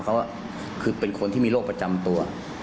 เขาคือเป็นคนที่มีโรคประจำตัว